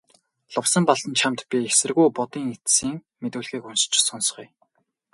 Лувсанбалдан чамд би эсэргүү Будын эцсийн мэдүүлгийг уншиж сонсгоё.